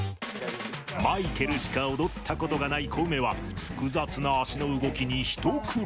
マイケルしか踊ったことがないコウメは複雑な足の動きにひと苦労。